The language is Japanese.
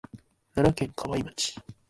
奈良県河合町